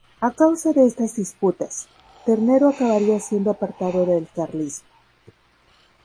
A causa de estas disputas, Ternero acabaría siendo apartado del carlismo.